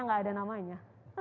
enggak ada namanya